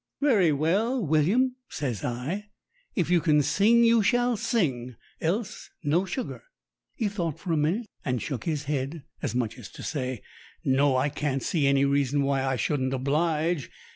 "Very well, William," says I. "If you can sing you shall sing, else no sugar." He thought for a minute, and shook his head, as much as to say, "No, I can't see any reason why I shouldn't oblige."